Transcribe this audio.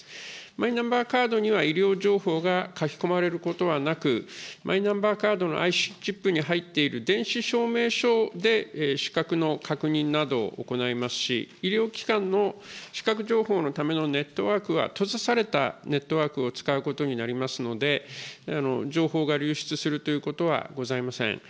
マイナンバーカードには医療情報が書き込まれることはなく、マイナンバーカードのＩＣチップに入っている電子証明書で資格の確認などを行いますし、医療機関のしかく情報のためのネットワークは、閉ざされたネットワークを使うことになりますので、情報が流出するということはございません。